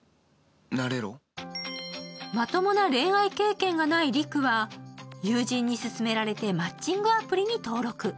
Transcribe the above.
まともな恋愛経験がない陸は友人に勧められてマッチングアプリに登録。